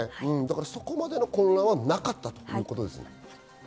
そこまでの混乱はなかったということですね。